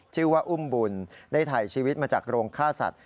ชื่อว่าอุ้มบุญได้ถ่ายชีวิตมาจากโรงฆ่าสัตว